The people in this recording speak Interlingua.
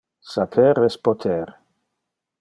Saper es poter